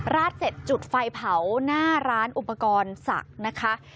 ราดเสร็จจุดไฟเผาหน้าร้านอุปกรณ์ศักดิ์นะคะ